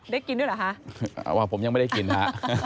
กินด้วยเหรอฮะว่าผมยังไม่ได้กินฮะ